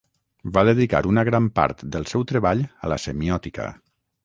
va dedicar una gran part del seu treball a la semiòtica